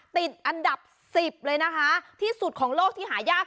ติดอันดับ๑๐เลยนะคะที่สุดของโลกที่หายาก